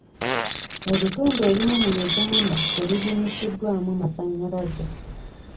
Ebitundu ebimu mu Uganda tebibunyisiddwamu masannyalaze.